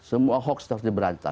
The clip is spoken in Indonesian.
semua hoaks harus diberantas